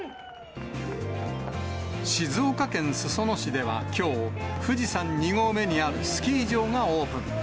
静岡県裾野市ではきょう、富士山２合目にあるスキー場がオープン。